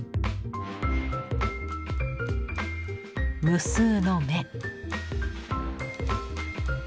無数の目。